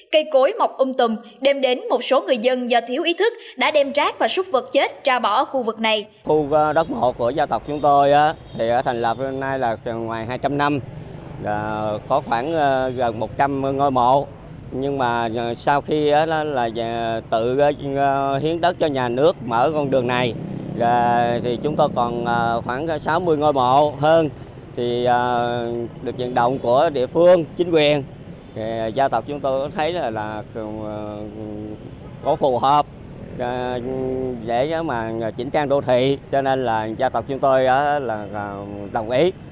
cây cối mọc ung tùm đem đến một số người dân do thiếu ý thức đã đem rác và súc vật chết tra bỏ khu vực này